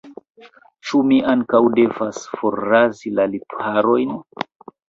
Ĉu mi ankaŭ devas forrazi la lipharojn?